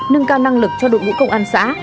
nâng cao năng lực cho đội ngũ công an xã